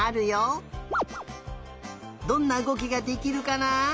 どんなうごきができるかな？